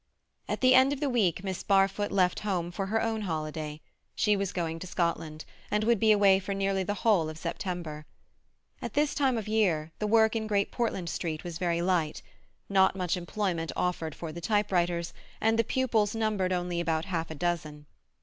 At the end of the week Miss Barfoot left home for her own holiday; she was going to Scotland, and would be away for nearly the whole of September. At this time of the year the work in Great Portland Street was very light; not much employment offered for the typewriters, and the pupils numbered only about half a dozen.